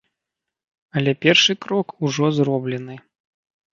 Але першы крок ужо зроблены.